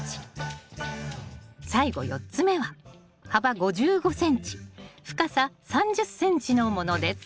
最後４つ目は幅５５ｃｍ深さ３０ｃｍのものです。